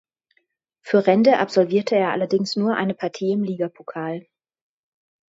Für Rende absolvierte er allerdings nur eine Partie im Ligapokal.